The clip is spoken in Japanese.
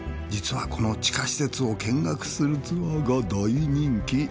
実はこの地下施設を見学するツアーが大人気。